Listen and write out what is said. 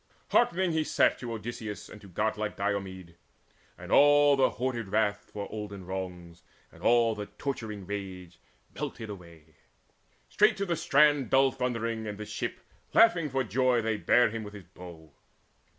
Hearkening he sat To Odysseus and to godlike Diomede; And all the hoarded wrath for olden wrongs And all the torturing rage, melted away. Straight to the strand dull thundering and the ship, Laughing for joy, they bare him with his bow.